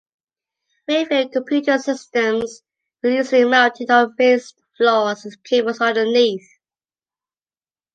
Mainframe computer systems were usually mounted on raised floors with cables underneath.